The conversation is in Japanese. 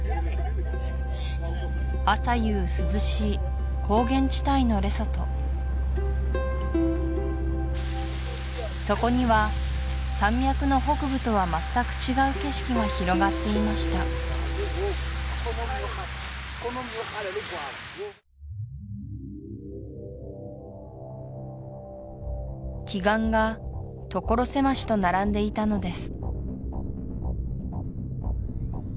朝夕涼しい高原地帯のレソトそこには山脈の北部とはまったく違う景色が広がっていました奇岩が所狭しと並んでいたのです